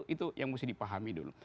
itu yang mesti dipahami dulu